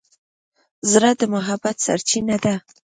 زړه د محبت سرچینه ده.